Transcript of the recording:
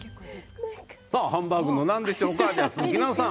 ハンバーグの何でしょうか鈴木奈々さん